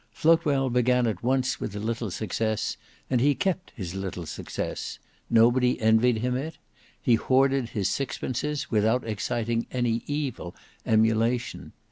Floatwell began at once with a little success, and he kept his little success; nobody envied him it; he hoarded his sixpences without exciting any evil emulation.